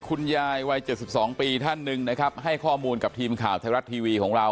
คุณยายวัย๗๒ปีท่านหนึ่งนะครับให้ข้อมูลกับทีมข่าวไทยรัฐทีวีของเรา